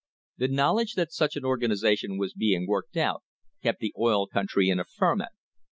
The knowledge that such an organisa tion was being worked out kept the oil country in a ferment.